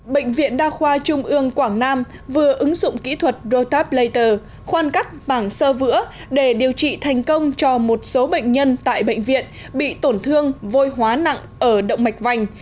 bệnh viện đa khoa trung ương quảng nam vừa ứng dụng kỹ thuật rotap later khoan cắt bảng sơ vữa để điều trị thành công cho một số bệnh nhân tại bệnh viện bị tổn thương vôi hóa nặng ở động mạch vành